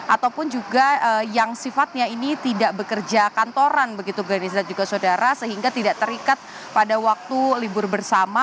ataupun juga yang sifatnya ini tidak bekerja kantoran begitu garis dan juga saudara sehingga tidak terikat pada waktu libur bersama